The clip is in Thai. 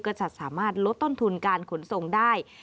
ก็จะสามารถลดต้นทุนการขนส่งได้